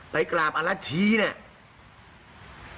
ไปกราบอรัชชีเนี่ย